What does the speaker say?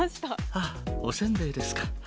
あっ、おせんべいですか。